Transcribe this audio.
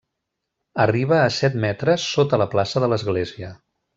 Arriba a set metres sota la plaça de l'Església.